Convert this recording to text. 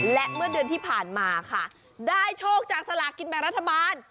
และเมื่อเดือนที่ผ่านมาค่ะได้โชคจากสลากินแบ่งรัฐบาล